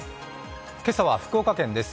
今朝は福岡県です。